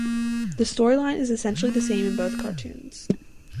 The storyline is essentially the same in both cartoons.